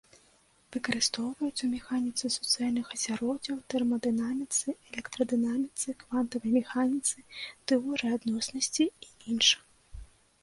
Выкарыстоўваюцца ў механіцы суцэльных асяроддзяў, тэрмадынаміцы, электрадынаміцы, квантавай механіцы, тэорыі адноснасці і іншых.